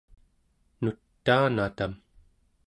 nutaan atam!